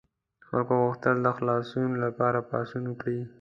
خلکو غوښتل د خلاصون لپاره پاڅون وکړي.